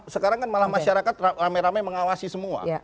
sekarang kan malah masyarakat rame rame mengawasi semua